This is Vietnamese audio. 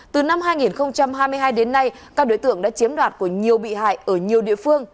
từ năm hai nghìn hai mươi hai đến nay các đối tượng đã chiếm đoạt của nhiều bị hại ở nhiều địa phương